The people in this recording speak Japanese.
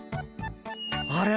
あれ？